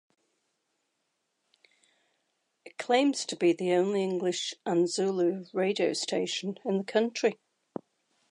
It claims to be the only English and Zulu radio station in the country.